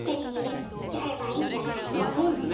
まあそうですね。